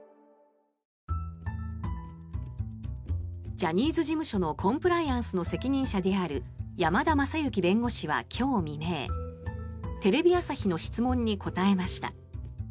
ジャニーズ事務所のコンプライアンスの責任者である山田将之弁護士は今日未明テレビ朝日の質問に答えました。